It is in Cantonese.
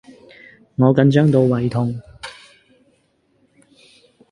我緊張到胃痛